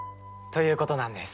ということなんです。